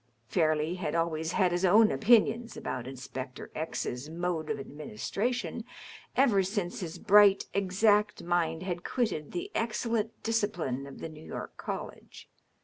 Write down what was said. Fairleigh had always had his own opinions about Inspector X ^^s mode of administration, ever since his bright, exact mind had quitted the excel lent discipline of the New York College.